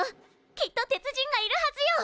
きっと鉄人がいるはずよ！